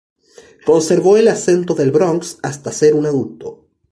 Conservó el acento del Bronx hasta ser un adulto.